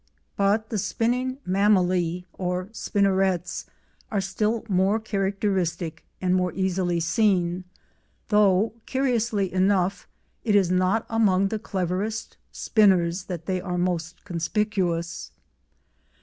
But the spinning mammillae or spinnerets are still more characteristic and more easily seen, though, curiously enough, it is not among the cleverest spinners that they are most conspicuous.